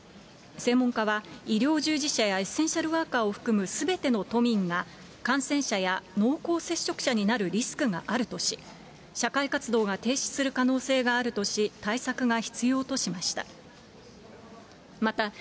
専門家は、医療従事者やエッセンシャルワーカーを含むすべての都民が感染者や濃厚接触者になるリスクがあるとし、社会活動が停止する可能性があるとし、対策が必要としました。